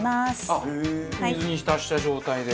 あっ水に浸した状態で。